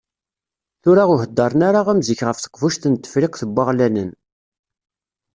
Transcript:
Tura ur heddren ara am zik ɣef Teqbuct n Tefriqt n Waɣlanen.